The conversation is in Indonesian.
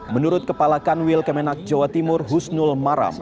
menurut kepala kanwil kemenak jawa timur husnul maram